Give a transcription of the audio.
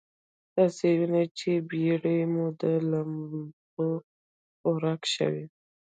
تاسې وينئ چې بېړۍ مو د لمبو خوراک شوې.